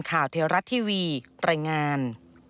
ข่าวเทียร์รัฐทีวีตรายงาน